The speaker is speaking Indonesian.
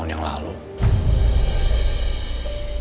ini stumble siapa dikirim